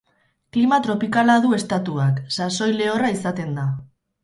Klima tropikala du estatuak; sasoi lehorra izaten da.